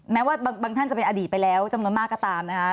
แม้ว่าบางท่านจะเป็นอดีตไปแล้วจำนวนมากก็ตามนะคะ